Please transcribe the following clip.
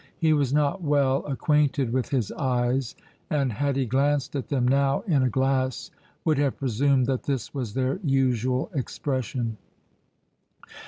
He was not well acquainted with his eyes, and, had he glanced at them now in a glass, would have presumed that this was their usual expression.